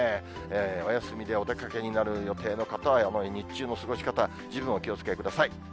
お休みでお出かけになる予定の方は、日中の過ごし方、十分お気をつけください。